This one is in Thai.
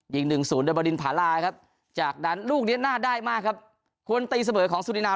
ยิง๑๐ดับมารินผาลาครับจากดันลูกเนี้ยหน้าได้มากครับควรตรีเสมอของสุลินัว